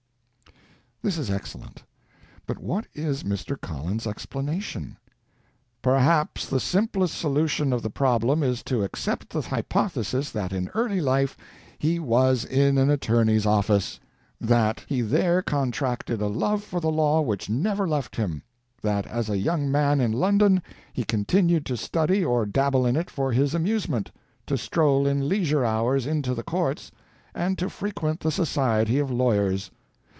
This is excellent. But what is Mr. Collins's explanation? "Perhaps the simplest solution of the problem is to accept the hypothesis that in early life he was in an attorney's office (!), that he there contracted a love for the law which never left him, that as a young man in London he continued to study or dabble in it for his amusement, to stroll in leisure hours into the Courts, and to frequent the society of lawyers.